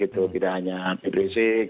tidak hanya pak rizik